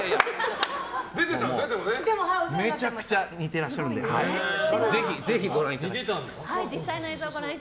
めちゃくちゃ似てらっしゃるのでぜひご覧ください。